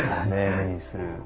目にする。